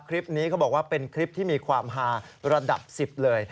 คลิปนี้เขาบอกว่าเป็นคลิปที่มีความฮาระดับ๑๐เลย